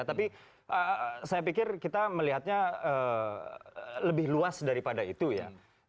tapi saya pikir kita melihatnya lebih luas daripada itu ya